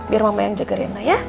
biar mama yang jaga rena ya